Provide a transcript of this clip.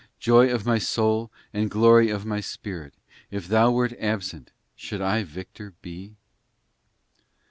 Joy of my soul and Glory of my spirit, If Thou wert absent, should I victor be